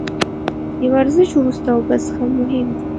د ورزش وروسته اوبه څښل مهم دي